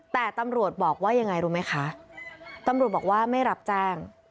แต่ตำรวจบอกว่ายังไงรู้ไหมคะตำรวจบอกว่าไม่รับแจ้ง